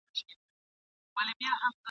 لکه په دښت کي غوړېدلی ګلاب !.